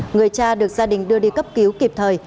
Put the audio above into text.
người cha được gia đình đưa đi cấp cứu kịp thời